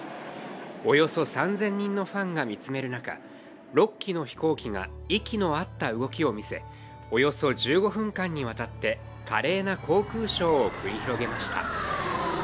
およそ３０００人のファンが見つめる中、６機の飛行機が息の合った動きを見せ、およそ１５分間にわたって華麗な航空ショーを繰り広げました。